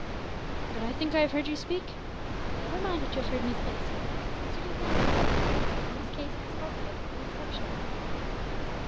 "But I think I have heard you speak " "Never mind what you have heard me speak, sir; circumstances alter cases, and this case is altogether an exceptional one.